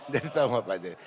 jadi sama bapaknya